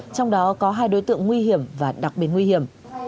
trong đó có hai đối tượng nguy hiểm và đặc biệt nguy hiểm